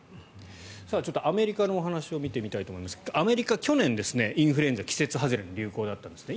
ちょっとアメリカのお話を見てみたいと思いますがアメリカ、去年インフルエンザ季節外れの流行だったんですね。